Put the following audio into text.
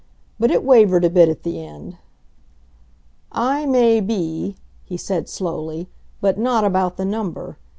But it wavered a bit at the end. "I may be," he said slowly, "but not about the number.